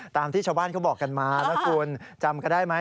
ตามที่ชาวบ้านเขาบอกกันมานะคุณจำกันได้ไหม